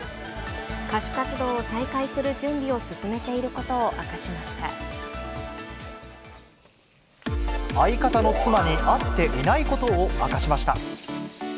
歌手活動を再開する準備を進相方の妻に会っていないことを明かしました。